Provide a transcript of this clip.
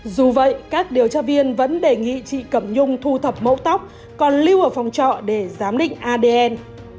dù vậy các điều tra viên vẫn đề nghị chị cẩm nhung thu thập mẫu tóc còn lưu ở phòng trọ để giám định adn